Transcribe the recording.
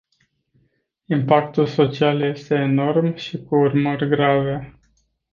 Impactul social este enorm și cu urmări grave.